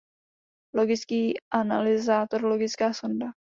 Logický analyzátor, logická sonda